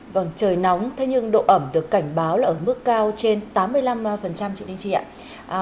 vâng trời nóng thế nhưng độ ẩm được cảnh báo là ở mức cao trên tám mươi năm chị đinh trị ạ